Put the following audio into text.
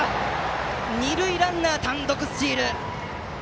二塁ランナー、単独スチール！